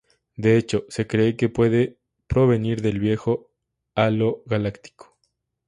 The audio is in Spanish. De hecho, se cree que puede provenir del viejo halo galáctico.